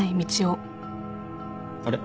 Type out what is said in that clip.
あれ？